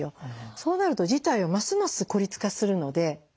そうなると事態はますます孤立化するので。